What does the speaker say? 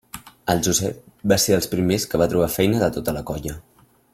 El Josep va ser dels primers que va trobar feina de tota la colla.